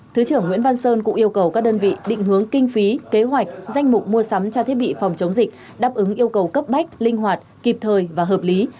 thứ trưởng nguyễn văn sơn cũng yêu cầu các đơn vị định hướng kinh phí kế hoạch danh mục mua sắm cho thiết bị phòng chống dịch đáp ứng yêu cầu cấp bách linh hoạt kịp thời và hợp lý